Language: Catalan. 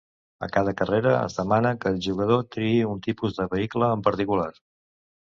A cada carrera es demana que el jugador triï un tipus de vehicle en particular.